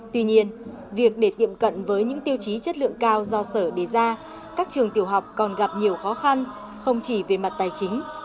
tuy nhiên việc để tiệm cận với những tiêu chí chất lượng cao do sở đề ra các trường tiểu học còn gặp nhiều khó khăn không chỉ về mặt tài chính